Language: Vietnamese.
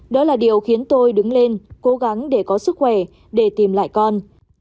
đó là điều khiến tôi đứng lên cố gắng để có sức khỏe để tìm lại con